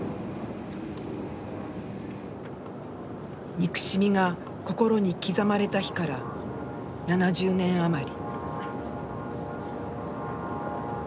憎しみが心に刻まれた日から７０年余り。